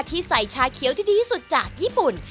ที่ใส่ชาเขียวที่ดีที่สุดจากญี่ปุ่น